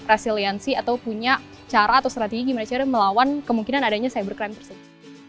resiliensi atau punya cara atau strategi gimana cara melawan kemungkinan adanya cybercrime tersebut